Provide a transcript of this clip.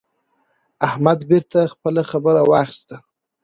احمد بېرته خپله خبره واخيسته.